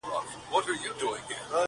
کورونا چي پر دنیا خپل وزر خپور کړ-